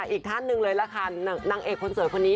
อีกท่านหนึ่งเลยล่ะค่ะนางเอกคนสวยคนนี้